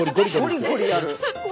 ゴリゴリやる！